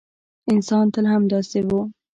انسان تل همداسې و.